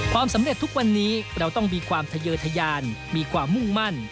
สำเร็จทุกวันนี้เราต้องมีความทะเยอร์ทยานมีความมุ่งมั่น